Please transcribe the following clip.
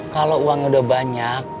kalau uangnya udah banyak